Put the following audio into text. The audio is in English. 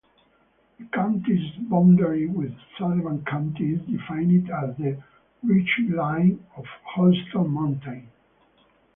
The county's boundary with Sullivan County is defined as the ridgeline of Holston Mountain.